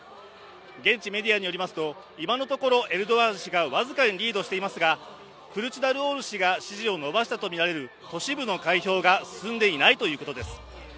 現地メディアによりますと、今のところエルドアン氏が僅かにリードしていますが、クルチダルオール氏が支持を伸ばしたとみられる都市部の開票が進んでいないということです。